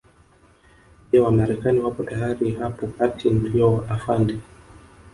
Je Wamarekani wapo tayari hapo kati ndio afande